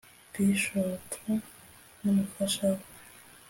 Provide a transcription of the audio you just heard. Bishop n’umufasha we